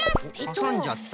はさんじゃった。